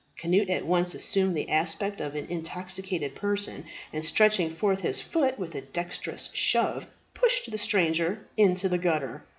Cnut at once assumed the aspect of an intoxicated person, and stretching forth his foot, with a dexterous shove pushed the stranger into the gutter.